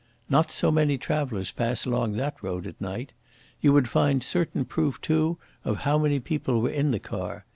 Not so many travellers pass along that road at night. You would find certain proof too of how many people were in the car.